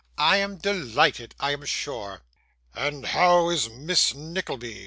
'I am delighted, I am sure.' 'And how is Miss Nickleby?